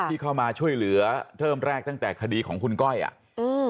ที่เข้ามาช่วยเหลือเริ่มแรกตั้งแต่คดีของคุณก้อยอ่ะอืม